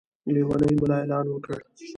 لېونی ملا اعلان وکړ.